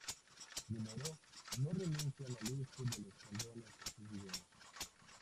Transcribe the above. Primero, no renuncian al uso de los condones en sus vídeos.